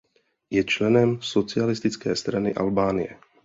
Je členem Socialistické strany Albánie.